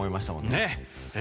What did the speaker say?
ねえ。